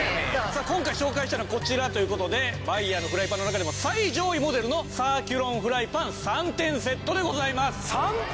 さあ今回紹介したいのがこちらという事でマイヤーのフライパンの中でも最上位モデルのサーキュロンフライパン３点セットでございます。